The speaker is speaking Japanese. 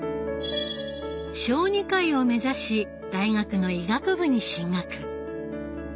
小児科医を目指し大学の医学部に進学。